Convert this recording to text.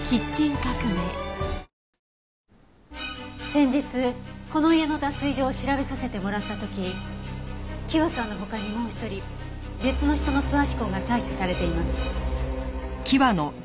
先日この家の脱衣場を調べさせてもらった時希和さんの他にもう一人別の人の素足痕が採取されています。